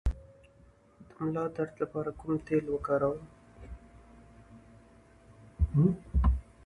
د ملا درد لپاره کوم تېل وکاروم؟